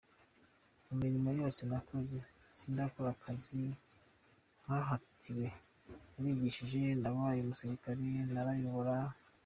Mu murimo yose nakoze sindakora akazi nkahatiwe, narigishije nabaye umusirikare ndanayobora.